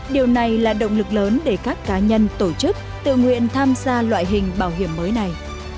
điều này là động lực lớn để các cá nhân tổ chức tự nguyện tham gia loại hình bảo hiểm mới này